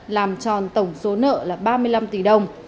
làm tròn tổng số nợ là ba mươi năm tỷ đồng